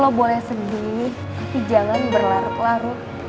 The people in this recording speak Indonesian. kalau boleh sedih tapi jangan berlarut larut